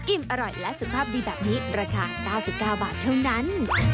อิ่มอร่อยและสุขภาพดีแบบนี้ราคา๙๙บาทเท่านั้น